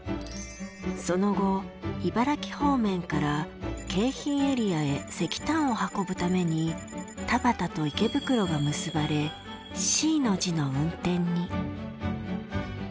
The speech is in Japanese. その後茨城方面から京浜エリアへ石炭を運ぶために田端と池袋が結ばれＣの字の運転に。